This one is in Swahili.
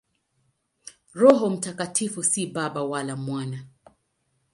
Roho Mtakatifu si Baba wala Mwana.